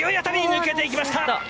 抜けていきました。